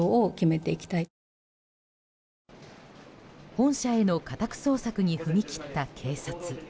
本社への家宅捜索に踏み切った警察。